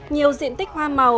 nhiều diện tích hoa màu